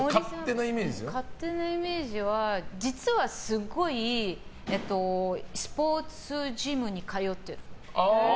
勝手なイメージは実はすごいスポーツジムに通ってる。